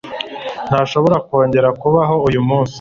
Ntashobora kongera kubaho uyu munsi